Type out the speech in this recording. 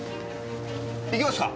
行きますか？